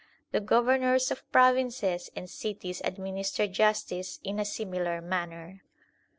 The governors of provinces and cities administer justice in a similar manner.